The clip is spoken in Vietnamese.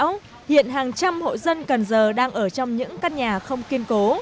bão số chín hiện hàng trăm hội dân cần giờ đang ở trong những căn nhà không kiên cố